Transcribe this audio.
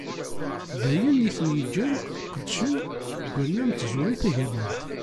D ayen i ten-yeǧǧan qeddcen deg wannar n tẓuri tagamant.